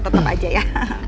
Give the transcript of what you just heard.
tetap aja ya